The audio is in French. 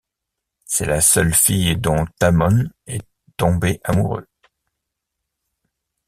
C'est la seule fille dont Tamon est tombé amoureux.